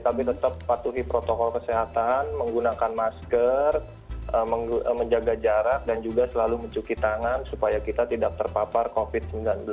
tapi tetap patuhi protokol kesehatan menggunakan masker menjaga jarak dan juga selalu mencuci tangan supaya kita tidak terpapar covid sembilan belas